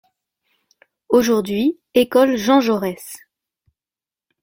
Aujourd’hui École Jean Jaurès.